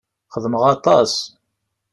Xedmeɣ aṭas.